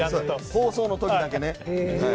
放送の時だけね。